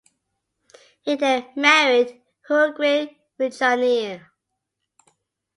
He then married Huguette Rinjonneau.